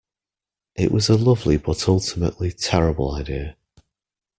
It was a lovely but ultimately terrible idea.